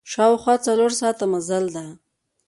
شاوخوا څلور ساعته مزل ده.